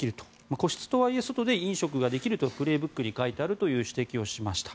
個室とはいえ外で飲食ができると「プレーブック」に書いてあると指摘をしました。